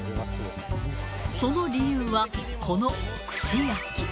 その理由は、この串焼き。